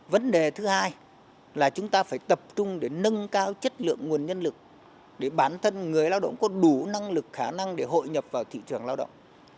vấn đề thứ hai là chúng ta phải tập trung để nâng cao chất lượng nguồn nhân lực để bản thân người lao động có đủ năng lực khả năng để hội nhập vào thị trường lao động